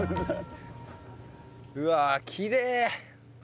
うわっきれい！